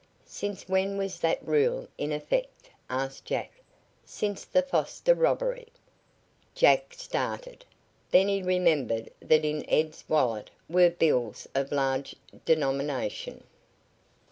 "Since when was that rule in effect?" asked Jack. "Since the Foster robbery." Jack started. Then he remembered that in Ed's wallet were bills of large denomination.